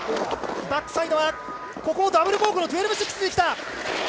バックサイドは、ここをダブルコークの１２６０できた。